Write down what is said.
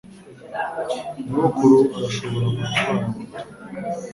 Nyogokuru arashobora gutwara moto.